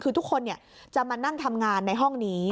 คือทุกคนจะมานั่งทำงานในห้องนี้